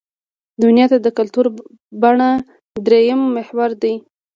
دنیا ته د کتلو بڼه درېیم محور دی.